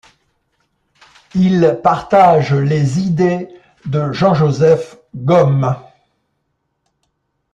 Il partage les idées de Jean-Joseph Gaume.